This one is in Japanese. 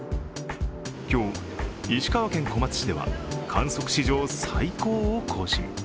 今日、石川県小松市では観測史上最高を更新。